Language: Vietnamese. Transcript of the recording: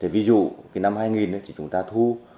ví dụ năm hai nghìn chúng ta thu